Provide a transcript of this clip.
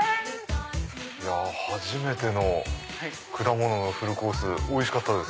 初めての果物のフルコースおいしかったです。